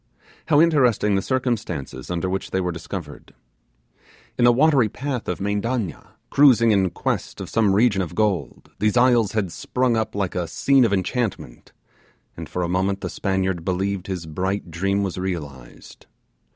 How interesting the circumstances under which they were discovered! In the watery path of Mendanna, cruising in quest of some region of gold, these isles had sprung up like a scene of enchantment, and for a moment the Spaniard believed his bright dream was realized.